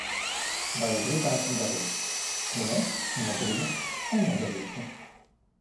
Vajag gribēt un darīt. Un es negribu un nedarīšu.